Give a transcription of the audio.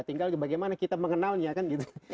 tinggal bagaimana kita mengenalnya kan gitu